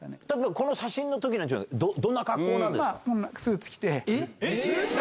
この写真のときはどんな格好なんですか？